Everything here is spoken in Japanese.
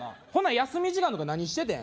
休み時間とか何しててん？